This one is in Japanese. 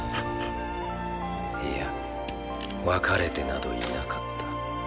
いや別れてなどいなかった。